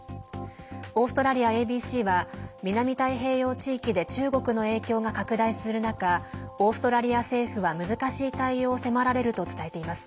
オーストラリアＡＢＣは南太平洋地域で中国の影響が拡大する中オーストラリア政府は難しい対応を迫られると伝えています。